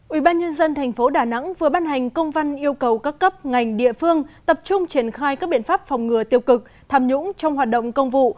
ubnd tp đà nẵng vừa ban hành công văn yêu cầu các cấp ngành địa phương tập trung triển khai các biện pháp phòng ngừa tiêu cực tham nhũng trong hoạt động công vụ